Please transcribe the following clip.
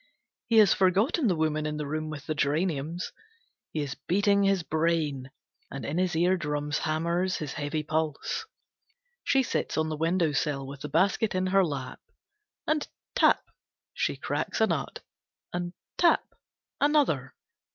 He has forgotten the woman in the room with the geraniums. He is beating his brain, and in his eardrums hammers his heavy pulse. She sits on the window sill, with the basket in her lap. And tap! She cracks a nut. And tap! Another.